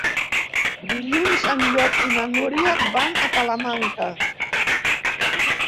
Dilluns en Llop i na Núria van a Talamanca.